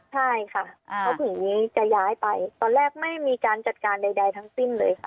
ใช่ค่ะเขาถึงจะย้ายไปตอนแรกไม่มีการจัดการใดทั้งสิ้นเลยค่ะ